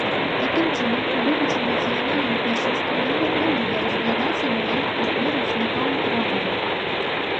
Такім чынам, у будучым нацыянальным першынстве нават не будзе разглядацца варыянт турніру з накаўт-раўндам.